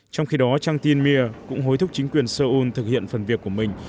trong khi đó trang tin myr cũng hối thúc chính quyền seoul thực hiện phần việc của mình